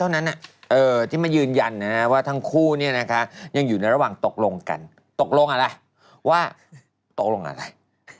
อันนี้เราสงสัยอันนี้ก็งงตกลงอะไร